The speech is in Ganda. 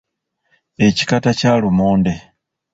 Ekikata kya lumonde.